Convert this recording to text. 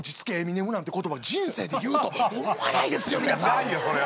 ないよそれは。